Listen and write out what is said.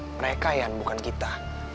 mereka yan bukan kita